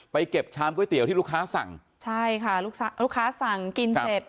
เก็บชามก๋วยเตี๋ยวที่ลูกค้าสั่งใช่ค่ะลูกค้าสั่งกินเสร็จ